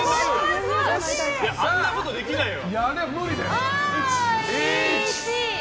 あんなことできないよ。